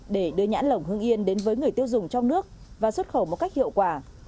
để đưa nhãn lồng hưng yên đến với người tiêu dùng trong nước và xuất khẩu một cách hiệu quả